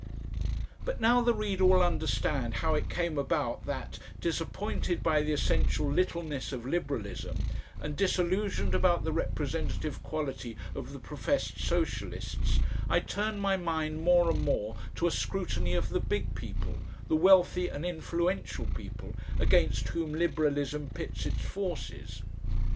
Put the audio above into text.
But now the reader will understand how it came about that, disappointed by the essential littleness of Liberalism, and disillusioned about the representative quality of the professed Socialists, I turned my mind more and more to a scrutiny of the big people, the wealthy and influential people, against whom Liberalism pits its forces.